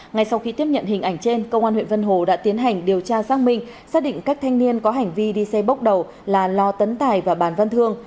ngay sau khi tiếp nhận hình ảnh trên công an huyện vân hồ đã tiến hành điều tra xác minh xác định các thanh niên có hành vi đi xe bốc đầu là lò tấn tài và bàn văn thương